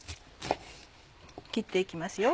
切って行きますよ